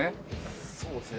そうですね。